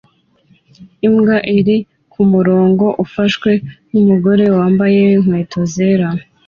Imbwa iri kumurongo ufashwe numugore wambaye inkweto zera